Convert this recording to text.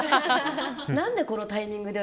何でこのタイミングで。